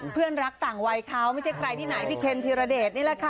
เพื่อนรักต่างวัยเขาไม่ใช่ใครที่ไหนพี่เคนธีรเดชนี่แหละค่ะ